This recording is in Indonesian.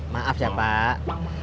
maaf ya pak